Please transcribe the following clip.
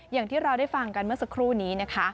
อย่างที่เราได้ฟังกันเมื่อสักครู่นี้นะคะ